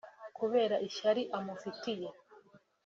kubera ishyari amufitiye